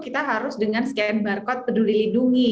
kita harus dengan scan barcode peduli lindungi